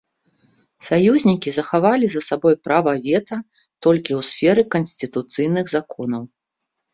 Саюзнікі захавалі за сабой права вета толькі ў сферы канстытуцыйных законаў.